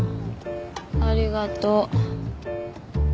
ありがと。